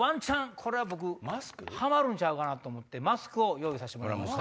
これはハマるんちゃうかと思ってマスクを用意させてもらいました。